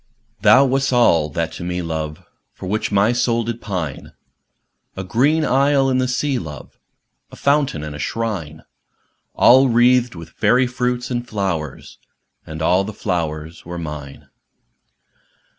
Thou wast that all to me, love, For which my soul did pineâ A green isle in the sea, love, A fountain and a shrine, All wreathed with fairy fruits and flowers, And all the flowers were mine.